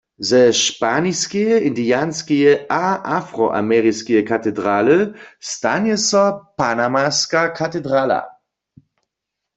Ze španiskeje, indianskeje a afroameriskeje katedraly stanje so panamaska katedrala.